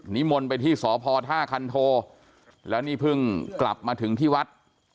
มนต์ไปที่สพท่าคันโทแล้วนี่เพิ่งกลับมาถึงที่วัด